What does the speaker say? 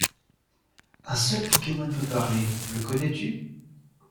Un seul pokemon peut parler, le connais-tu?